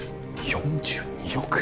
４２億円？